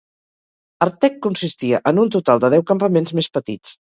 Artek consistia en un total de deu campaments més petits.